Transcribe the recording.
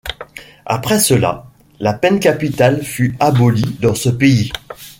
Après cela, la peine capitale fut abolie dans ce pays.